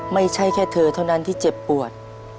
ไม่ใช่แค่เธอเท่านั้นที่เจ็บปวด